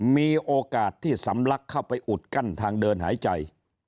มีโอกาสที่สำลักเข้าไปอุดกั้นทางเดินหายใจ